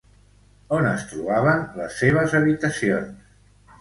On es trobaven les seves habitacions?